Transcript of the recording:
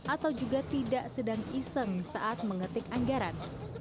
atau juga tidak sedang iseng saat mengetik anggaran